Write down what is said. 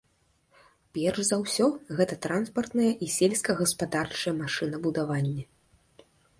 Перш за ўсё, гэта транспартны і сельскагаспадарчае машынабудаванне.